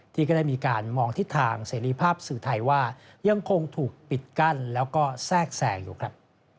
ที่ก็ได้มีการมองทิศทางเสรีภาพสื่อไทยว่ายังคงถูกปิดกั้นแล้วก็แทรกแทรงอยู่ครับ